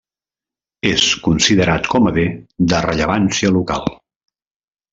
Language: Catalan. És considerat com a bé de rellevància local.